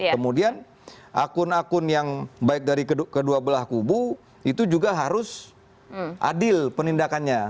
kemudian akun akun yang baik dari kedua belah kubu itu juga harus adil penindakannya